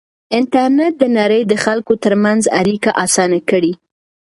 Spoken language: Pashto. انټرنېټ د نړۍ د خلکو ترمنځ اړیکه اسانه کړې.